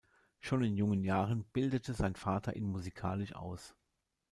Schon in jungen Jahren bildete sein Vater ihn musikalisch aus.